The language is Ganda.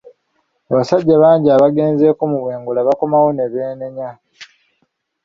Abasajja bangi abagenzeko mu bwengula bakomawo ne beenenya.